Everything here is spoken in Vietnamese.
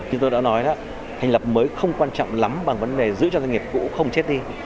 như tôi đã nói đó thành lập mới không quan trọng lắm bằng vấn đề giữ cho doanh nghiệp cũ không chết đi